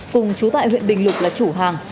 cùng chú tại huyện bình lục là chủ hàng